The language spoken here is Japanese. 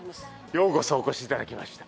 ようこそお越し頂きました。